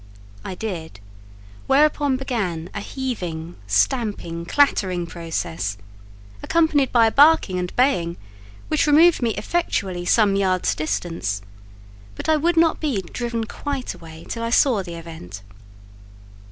I did; whereupon began a heaving, stamping, clattering process, accompanied by a barking and baying which removed me effectually some yards' distance; but I would not be driven quite away till I saw the event.